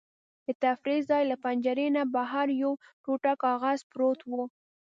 د تفریح ځای له پنجرې نه بهر یو ټوټه کاغذ پروت و.